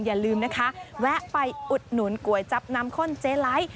อย่าลืมนะคะแวะไปอุดหนุนก๋วยจับน้ำข้นเจ๊ไลท์